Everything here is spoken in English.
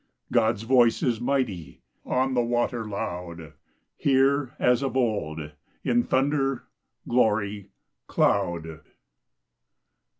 God's voice is mighty, on the water loud, Here, as of old, in thunder, glory, cloud!